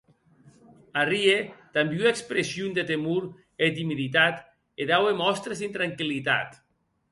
Arrie damb ua expression de temor e timiditat e daue mòstres d’intranquillitat.